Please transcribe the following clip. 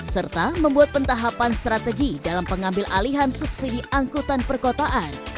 serta membuat pentahapan strategi dalam pengambil alihan subsidi angkutan perkotaan